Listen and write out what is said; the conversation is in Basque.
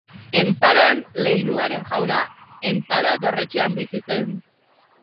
Enparan leinuaren jauna, Enparan dorretxean bizi zen.